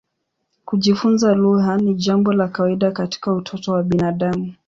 Kujifunza lugha ni jambo la kawaida katika utoto wa binadamu.